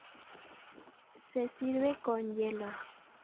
Se sirve con hielo.